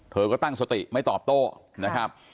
เธอก็ตั้งสติไม่ตอบโต้นะครับ